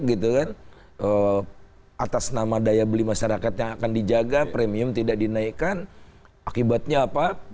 gitu kan atas nama daya beli masyarakat yang akan dijaga premium tidak dinaikkan akibatnya apa